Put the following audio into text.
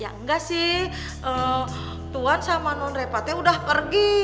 ya enggak sih tuhan sama non repatnya udah pergi